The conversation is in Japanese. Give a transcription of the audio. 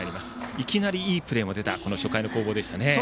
いきなり、いいプレーも出た初回の攻防でしたね。